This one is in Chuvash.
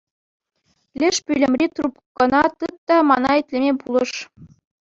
Леш пӳлӗмри трубкӑна тыт та мана итлеме пулӑш.